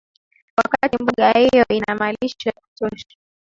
wakati mbuga hiyo ina malisho ya kutosha